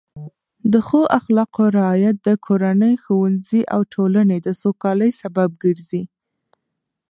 د ښو اخلاقو رعایت د کورنۍ، ښوونځي او ټولنې د سوکالۍ سبب ګرځي.